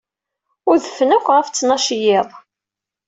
Udfen akk ɣef ttnac n yiḍ.